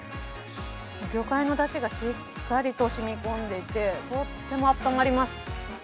魚介のだしがしっかりとしみ込んでいて、とっても温まります。